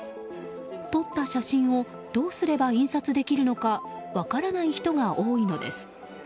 撮った写真をどうすれば印刷できるのか分からない人が多いのです。